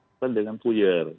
atau dengan puyar